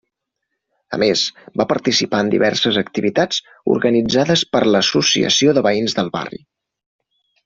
A més, va participar en diverses activitats organitzades per l'associació de veïns del barri.